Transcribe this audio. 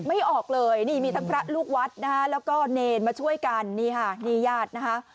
ไม่ออกเลยนี่มีทั้งพระลูกวัดนะคะแล้วก็เนรมาช่วยกันนี่ค่ะนี่ญาตินะคะ